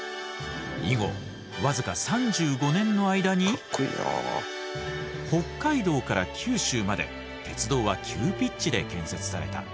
以後僅か３５年の間に北海道から九州まで鉄道は急ピッチで建設された。